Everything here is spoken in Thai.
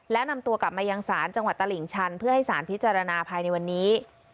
และนำตัวกลับมายังศาลจังหวัดตลิ่งชันเพื่อให้สารพิจารณาภายในวันนี้